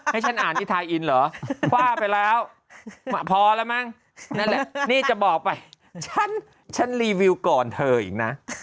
หรอว่าไปแล้วมาพอแล้วมั้งนั่นแหละนี่จะบอกไปฉันฉันรีวิวก่อนเธออีกน่ะ